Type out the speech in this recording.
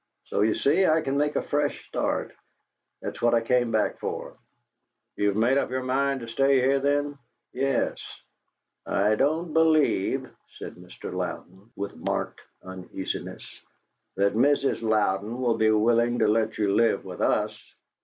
So, you see, I can make a fresh start. That's what I came back for." "You've made up your mind to stay here, then?" "Yes." "I don't believe," said Mr. Louden, with marked uneasiness, "that Mrs. Louden would be willing to let you live with us."